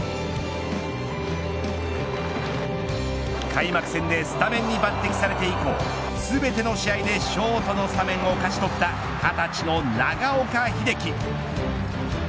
開幕戦でスタメンに抜てきされて以降全ての試合でショートのスタメンを勝ち取った２０歳の長岡秀樹。